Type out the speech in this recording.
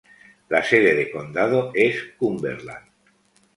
La sede de condado es Cumberland.